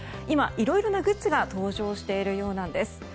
今、いろいろなグッズが登場しているようなんです。